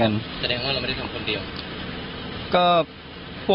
แสดงว่าเราไม่ได้ทำคนเดียวก็พวก